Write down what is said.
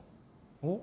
おっ？